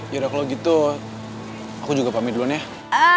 yaudah kalau gitu aku juga pamit dulu nih ya